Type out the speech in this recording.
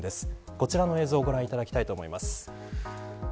こちらの映像をご覧いただきたいと思います。